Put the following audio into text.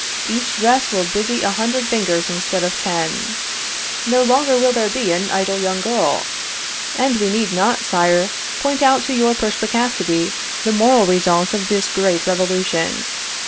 Each dress will busy a hundred fingers instead of ten. No longer will there be an idle young girl, and we need not, Sire, point out to your perspicacity the moral results of this great revolution.